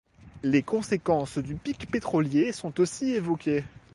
Les conséquences du pic pétrolier sont aussi évoquées.